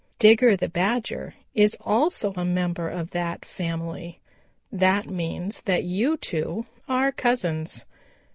Digger the Badger is also a member of that family. That means that you two are cousins.